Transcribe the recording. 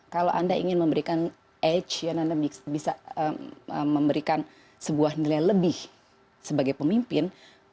kalau anda ingin memberikan edge yang anda bisa memberikan sebuah nilai lebih sebagai pemimpin